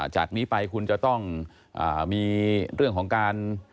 จากนี้ไปคุณจะต้องมีเรื่องของการ